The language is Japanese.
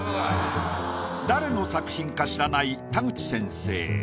誰の作品か知らない田口先生。